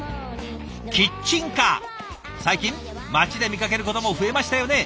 最近街で見かけることも増えましたよね。